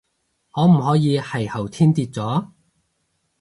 可唔可以係後天跌咗？